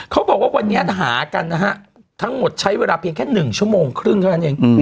เขาบอกว่าวันนี้หากันนะฮะทั้งหมดใช้เวลาเพียงแค่๑ชั่วโมงครึ่งเท่านั้นเอง